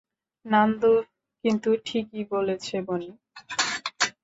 নান্দু কিন্তু ঠিকই বলেছে, বনি।